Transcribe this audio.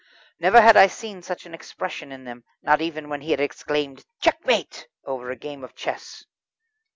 Never had I seen such an expression in them, not even when he had exclaimed "Checkmate" over a game of chess.